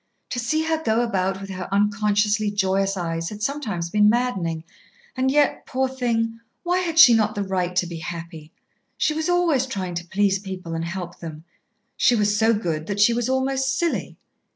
To see her go about with her unconsciously joyous eyes had sometimes been maddening. And yet, poor thing! why had she not the right to be happy? She was always trying to please people and help them. She was so good that she was almost silly.